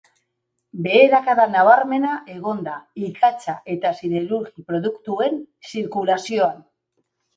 Beherakada nabarmena egon da ikatza eta siderurgi produktuen zirkulazioan.